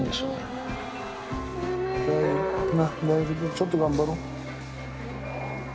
ちょっと頑張ろう。